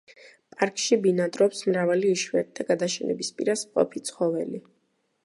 პარკში ბინადრობს მრავალი იშვიათი და გადაშენების პირას მყოფი ცხოველი.